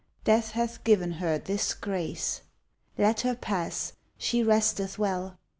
Death hath given her this grace. Let her pass; she resteth well.